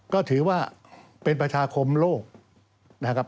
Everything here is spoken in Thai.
ก็ถือว่าเป็นประชาคมโลก